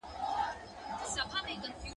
• د خېر نه مي توبه ، سپي دي کور کي که!